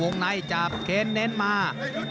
โวงไหนจากแคนเน้นมา